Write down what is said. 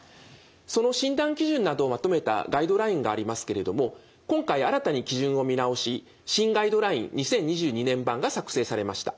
その診断基準などをまとめたガイドラインがありますけれども今回新たに基準を見直し新ガイドライン２０２２年版が作成されました。